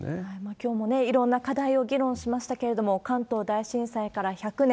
きょうもね、いろんな課題を議論しましたけれども、関東大震災から１００年。